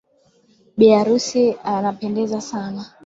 bi arusi anapendeza sana.